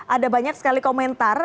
ada banyak sekali komentar